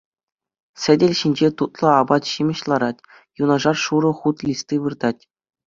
Сӗтел ҫинче тутлӑ апат-ҫимӗҫ ларать, юнашар шурӑ хут листи выртать.